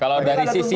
kalau dari sisi